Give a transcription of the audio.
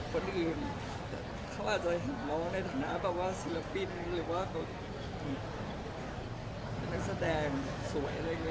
คนอื่นเขาอาจจะเห็นเราในฐานะแบบว่าศิลปินหรือว่านักแสดงสวยอะไรอย่างนี้